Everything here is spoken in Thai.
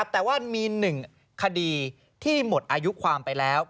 แต่ว่ามี๑คดีที่หมดอายุความไปแล้ว